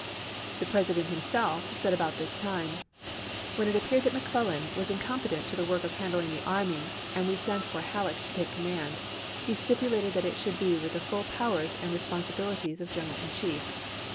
The President himself said about this time :" When it appeared that McClellan was incompetent to the work of handling the army and we sent for HaUeck to take command, he stipulated that it should be with the full powers and responsi bilities of general in chief.